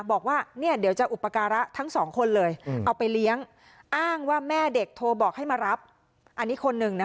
บอกว่าเนี่ยเดี๋ยวจะอุปการะทั้งสองคนเลยเอาไปเลี้ยงอ้างว่าแม่เด็กโทรบอกให้มารับอันนี้คนหนึ่งนะคะ